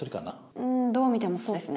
うんどう見てもそうですね。